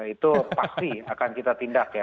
itu pasti akan kita tindak ya